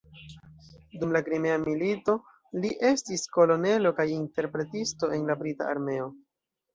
Dum la Krimea milito li estis kolonelo kaj interpretisto en la brita armeo.